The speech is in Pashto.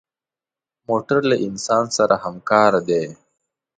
موټر له انسان سره همکار دی.